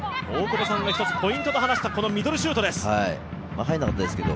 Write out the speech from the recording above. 大久保さんが一つポイントと話したこのミドルシュートです。